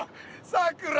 さくら